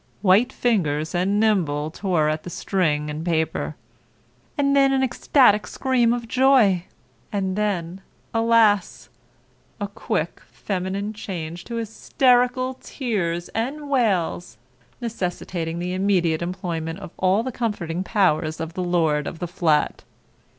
White fingers and nimble tore at the string and paper. And then an ecstatic scream of joy; and then, alas! a quick feminine change to hysterical tears and wails, necessitating the immediate employment of all the comforting powers of the lord of the flat.